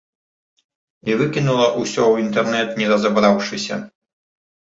І выкінула ўсё ў інтэрнэт не разабраўшыся.